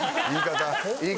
言い方。